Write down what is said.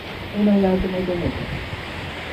Ona yardım edemedim.